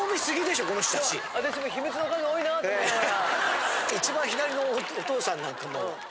私も秘密の数多いなと思いながら。